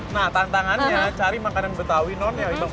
nah tantangannya cari makanan betawi nonnya